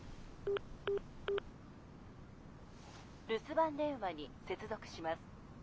留守番電話に接続します。